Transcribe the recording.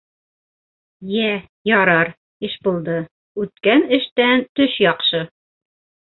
— Йә, ярар, Ишбулды, үткән эштән төш яҡшы.